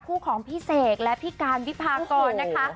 ของพี่เสกและพี่การวิพากรนะคะ